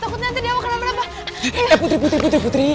eh putri putri putri